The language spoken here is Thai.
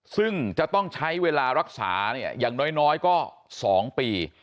ซึ่งจะต้องใช้เวลารักษาเนี่ยอย่างน้อยก็๒ปี